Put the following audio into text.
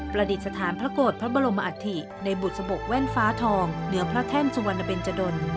ประดิษฐานพระโกรธพระบรมอัฐิในบุษบกแว่นฟ้าทองเหนือพระแท่นสุวรรณเบนจดล